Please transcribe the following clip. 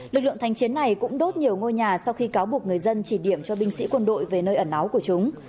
lực lượng thành chiến này cũng đốt nhiều ngôi nhà sau khi cáo buộc người dân chỉ điểm cho binh sĩ quân đội về nơi ẩn náu của chúng